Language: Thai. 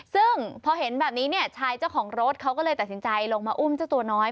ซึ่งพอเห็นแบบนี้เนี่ยชายเจ้าของรถเขาก็เลยตัดสินใจลงมาอุ้มเจ้าตัวน้อย